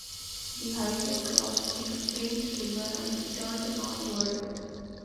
The highway crossed the Flint River and turned northward.